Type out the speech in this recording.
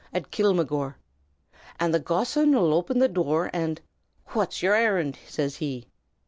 at Kilmagore. And the gossoon'll open the dure, and "'Phwhat's yer arrind?' says he.